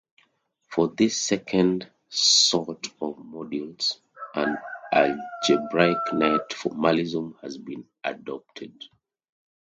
For this second sort of modules, an algebraic net formalism has been adopted.